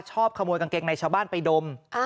ชอบขโมยกางเกงในชาวบ้านไปดม